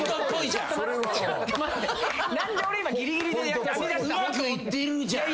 うまくいってるじゃん。